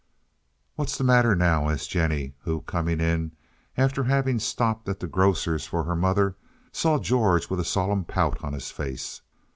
"What's the matter now?" asked Jennie, who, coming in after having stopped at the grocer's for her mother, saw George with a solemn pout on his face.